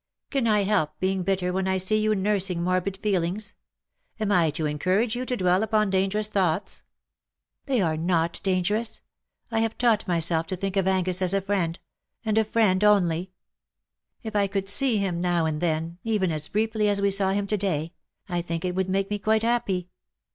" Can I help being bitter wdien I see you nursing morbid feelings ? Am I to encourage you to dwell upon dangerous thoughts ?"" They are not dangerous. I have taught myself to think of Angus as a friend — and a friend onlv. WE DRAW NIGH THEE." 201 If I could see him now and then — even as briefly as we saw him to day — I think it would make me quite happy."